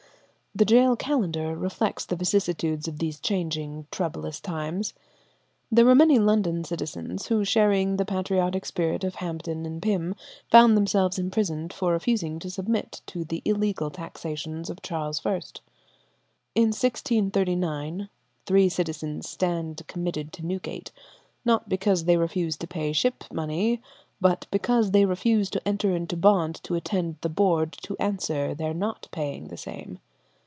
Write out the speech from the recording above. The gaol calendar reflects the vicissitudes of these changing, troublous times. There were many London citizens who, sharing the patriotic spirit of Hampden and Pym, found themselves imprisoned for refusing to submit to the illegal taxations of Charles I. In 1639, "three citizens stand committed to Newgate, not because they refuse to pay ship money, but because they refuse to enter into bond to attend the Board to answer their not paying the same.